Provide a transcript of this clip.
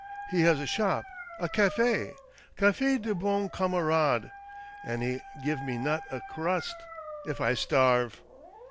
He has a shop — a cafe — Cafe des Bons Camarades. And he give me not a crrrust — if I starve